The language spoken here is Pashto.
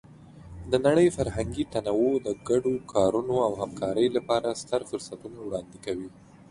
د نړۍ فرهنګي تنوع د ګډو کارونو او همکارۍ لپاره ستر فرصتونه وړاندې کوي.